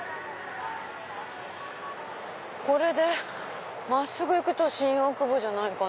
これで真っすぐ行くと新大久保じゃないかな。